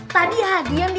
tadi hadian di